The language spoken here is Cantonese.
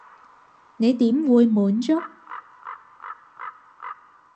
你點會滿足？